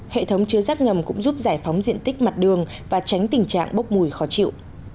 hệ thống chứa rác ngầm cũng giúp giải phóng diện tích mặt đường và tránh tình trạng bốc mùi khó chịu